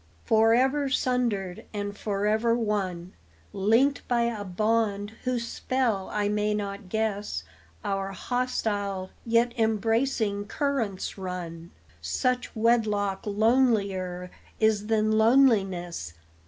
Forever sundered and forever one, Linked by a bond whose spell I may not guess, Our hostile, yet embracing currents run; Such wedlock lonelier is than loneliness.